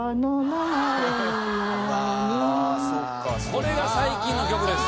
これが最近の曲です。